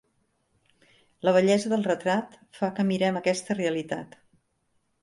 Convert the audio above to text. La bellesa del retrat fa que mirem aquesta realitat.